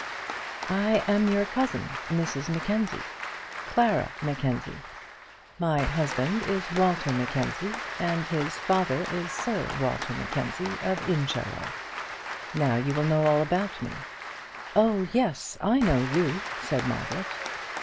"I am your cousin, Mrs Mackenzie, Clara Mackenzie. My husband is Walter Mackenzie, and his father is Sir Walter Mackenzie, of Incharrow. Now you will know all about me." "Oh, yes, I know you," said Margaret.